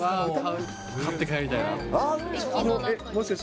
買って帰りたいなって。